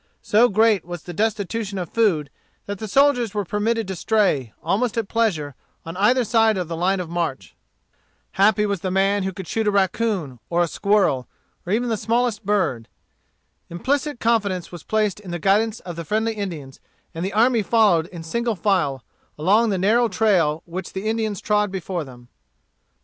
So great was the destitution of food that the soldiers were permitted to stray, almost at pleasure, on either side of the line of march. Happy was the man who could shoot a raccoon or a squirrel, or even the smallest bird. Implicit confidence was placed in the guidance of the friendly Indians, and the army followed in single file, along the narrow trail which the Indians trod before them.